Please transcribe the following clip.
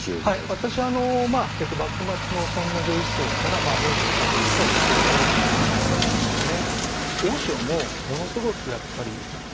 私あの幕末の尊王攘夷思想から明治にかけての思想が主な専門なんですね。